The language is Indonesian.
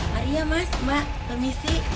maria mas mbak permisi